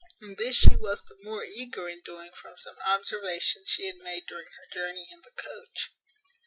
And this she was the more eager in doing from some observations she had made during her journey in the coach.